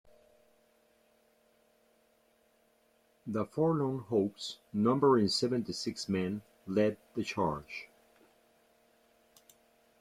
The forlorn-hopes, numbering seventy-six men, led the charge.